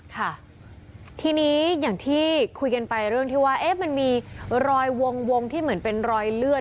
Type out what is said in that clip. ค่ะทีนี้อย่างที่คุยกันไปเรื่องที่ว่ามันมีรอยวงที่เหมือนเป็นรอยเลือด